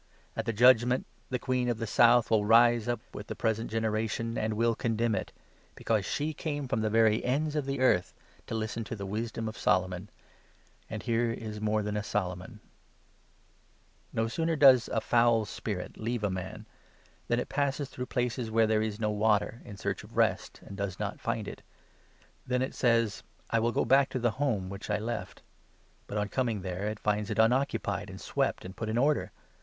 At 42 the Judgement the Queen of the South will rise up with the present generation, and will condemn it, because she came from the very ends of the earth to listen to the wisdom of Solomon ; and here is more than a Solomon ! Dan er ^° sooner does a foul spirit leave a man, 43 or imperfect than it passes through places where there is no Reformation. water, in search of rest, and does not find it. Then it says ' I will go back to the home which I left '; but, 44 on coming there, it finds it unoccupied, and swept, and put in order.